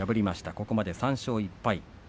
ここまで３勝１敗。